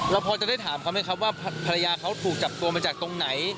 พอจะได้ถามเขาไหมครับว่าภรรยาเขาถูกจับตัวมาจากตรงไหน